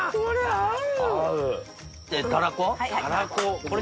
合う！